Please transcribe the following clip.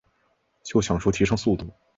就想说提升速度